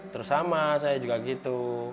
terus sama saya juga gitu